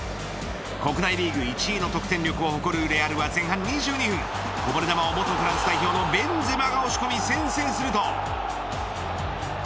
国内リーグ１位の得点力を誇るレアルは前半２２分こぼれ球を元フランス代表のベンゼマが押し込み先制すると。